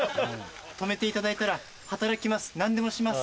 泊めていただいたら働きます